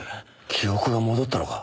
記憶が戻ったのか？